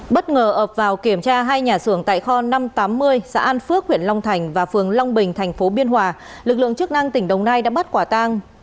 bất ngờ ập vào kiểm tra hai nhà xưởng tại kho năm trăm tám mươi xã an phước huyện long thành và phường long bình thành phố biên hòa lực lượng chức năng tỉnh đồng nai đã bắt quả tang